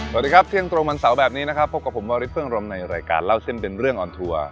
สวัสดีครับเที่ยงตรงวันเสาร์แบบนี้นะครับพบกับผมวาริสเฟิงรมในรายการเล่าเส้นเป็นเรื่องออนทัวร์